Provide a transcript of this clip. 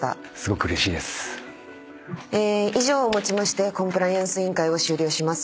以上をもちましてコンプライアンス委員会を終了します。